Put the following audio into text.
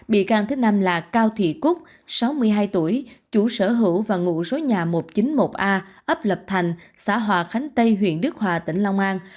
bị can thứ năm là cao thị cúc sáu mươi hai tuổi chủ sở hữu và ngụ số nhà một trăm chín mươi một a ấp lập thành xã hòa khánh tây huyện đức hòa tỉnh long an